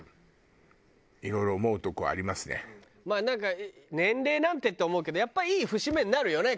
まあなんか年齢なんてって思うけどやっぱいい節目になるよね